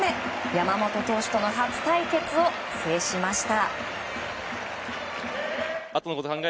山本投手との初対決を制しました。